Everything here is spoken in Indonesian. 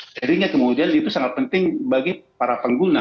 jadinya kemudian itu sangat penting bagi para pengguna